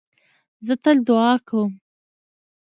زه تل دؤعا کوم.